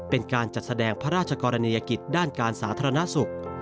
เป็นการจัดแสดงพระราชกรณียกิจด้านการสาธารณสุข